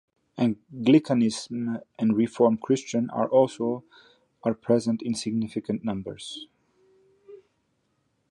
Anglicanism and Reformed Christian are also are present in significant numbers.